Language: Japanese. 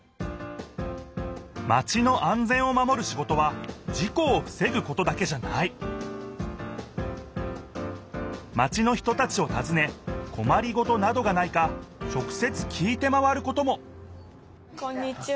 マチの安全を守る仕事は事故をふせぐことだけじゃないマチの人たちをたずねこまりごとなどがないか直せつ聞いて回ることもこんにちは。